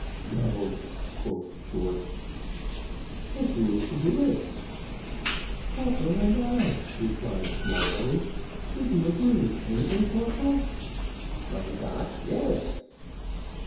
"No," quoth Short. "But who is to do it?" "Corporal and I," replied Smallbones; "we be agreed, ban't we, corporal?" "Mein Gott, yes!"